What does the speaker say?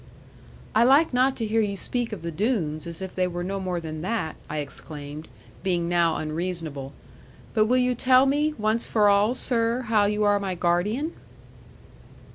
'"I like not to hear you speak of the Doones, as if they were no more than that," I exclaimed, being now unreasonable; "but will you tell me, once for all, sir, how you are my guardian?"